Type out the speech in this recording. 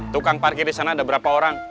tukang parkir di sana ada berapa orang